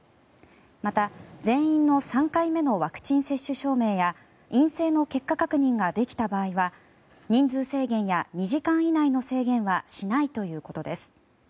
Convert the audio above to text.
また、全員の３回目のワクチン接種証明や陰性の結果確認ができた場合は人数制限や２時間以内の制限はしないということです。